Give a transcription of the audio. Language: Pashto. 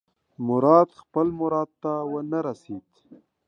مراد خپل مراد ته ونه رسېد.